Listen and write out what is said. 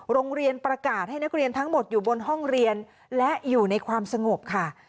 โรงเรียนประกาศให้นักเรียนทั้งหมดอยู่บนห้องเรียนและอยู่ในความสงบค่ะ